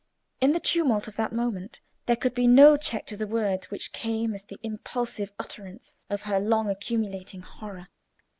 In the tumult of that moment there could be no check to the words which came as the impulsive utterance of her long accumulating horror.